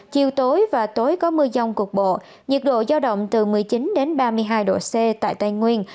chiều tối và tối có mưa rông cục bộ nhiệt độ giao động từ một mươi chín đến ba mươi hai độ c tại tây nguyên